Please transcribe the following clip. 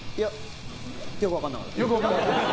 よく分かんなかったです。